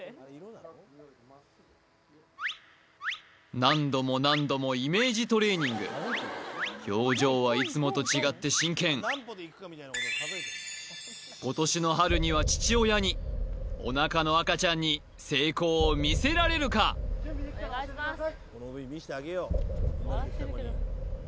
何度も何度もイメージトレーニング表情はいつもと違って真剣今年の春には父親におなかの赤ちゃんに成功を見せられるか準備できたら教えてください